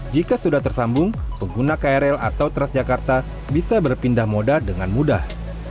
jika sudah tersambung pengguna krl atau transjakarta bisa berpindah moda dengan mudah